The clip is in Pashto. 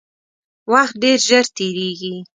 وخت ډیر ژر تیریږي